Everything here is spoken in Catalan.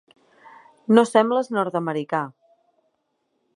No sembles nord-americà.